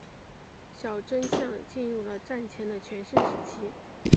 小樽港进入了战前的全盛时期。